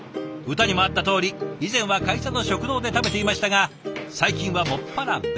歌にもあったとおり以前は会社の食堂で食べていましたが最近は専ら弁当派だそう。